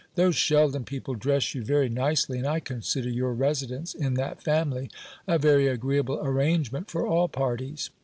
Those Sheldon people dress you very nicely; and I consider your residence in that family a very agreeable arrangement for all parties.